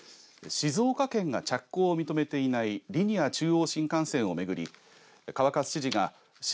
静岡県が着工を認めていないリニア中央新幹線を巡る動きです。